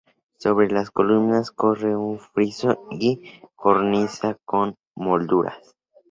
Sobre las columnas corre un friso y cornisa con molduras.